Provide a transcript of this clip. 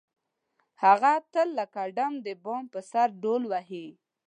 هغه تل لکه ډم د بام په سر ډول وهي.